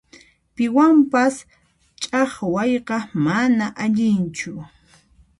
Piwanpas ch'aqwayqa manan allinchu.